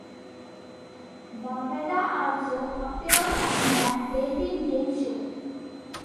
Barbata also appeared on The Dating Game show.